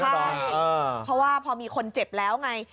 ใช่เพราะว่าพอมีคนเจ็บแล้วไง